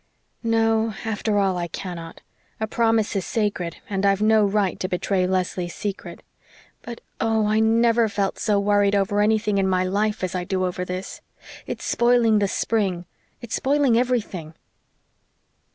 No, after all, I cannot. A promise is sacred, and I've no right to betray Leslie's secret. But oh, I never felt so worried over anything in my life as I do over this. It's spoiling the spring it's spoiling everything."